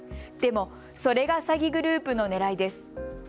でも、それが詐欺グループのねらいです。